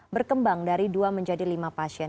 berkembang dari dua menjadi lima pasien